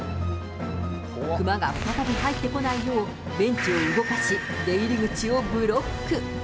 クマが再び入ってこないよう、ベンチを動かし、出入り口をブロック。